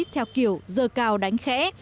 theo kiểu dơ cào đánh khẽ